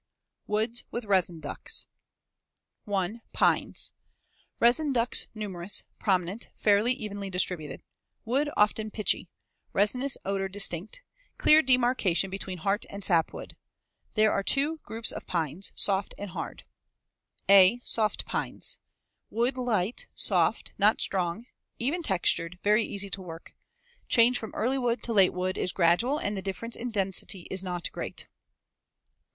Woods with resin ducts. 1. Pines. Fig. 144. Resin ducts numerous, prominent, fairly evenly distributed. Wood often pitchy. Resinous odor distinct. Clear demarcation between heart and sapwood. There are two groups of pines soft and hard. (a) Soft Pines. Wood light, soft, not strong, even textured, very easy to work. Change from early wood to late wood is gradual and the difference in density is not great.